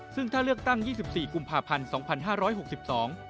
ซึ่งถ้าเลือกตั้ง๒๔กุมภาพันธ์๒๕๖๒